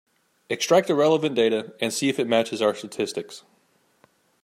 Extract the relevant data and see if it matches our statistics.